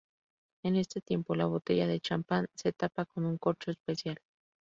En este tiempo la botella de champán se tapa con un corcho especial.